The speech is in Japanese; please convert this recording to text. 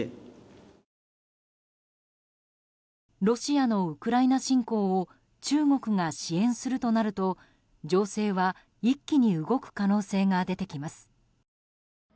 ロシアのウクライナ侵攻を中国が支援するとなると情勢は一気に動く可能性が出てきます。